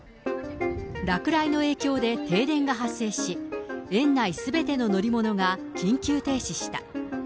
落雷の影響で停電が発生し、園内すべての乗り物が緊急停止した。